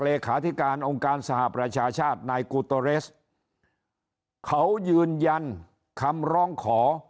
เลขาธิการองค์การสหประชาชาตินายกูโตเรสเขายืนยันคำร้องขอ